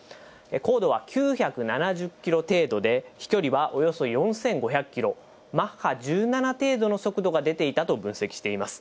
高度は９７０キロ程度で、飛距離はおよそ４５００キロ、マッハ１７程度の速度が出ていたと分析しています。